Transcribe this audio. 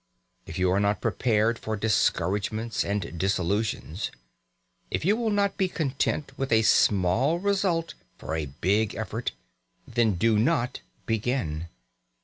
If you are not prepared for discouragements and disillusions; if you will not be content with a small result for a big effort, then do not begin.